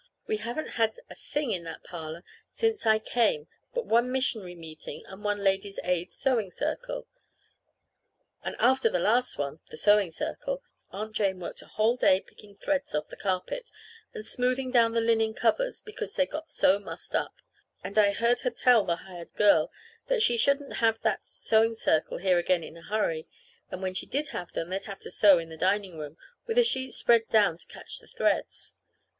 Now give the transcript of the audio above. We haven't had a thing here in that parlor since I came but one missionary meeting and one Ladies' Aid Sewing Circle; and after the last one (the Sewing Circle) Aunt Jane worked a whole day picking threads off the carpet, and smoothing down the linen covers because they'd got so mussed up. And I heard her tell the hired girl that she shouldn't have that Sewing Circle here again in a hurry, and when she did have them they'd have to sew in the dining room with a sheet spread down to catch the threads.